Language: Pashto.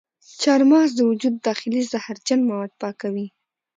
چارمغز د وجود داخلي زهرجن مواد پاکوي.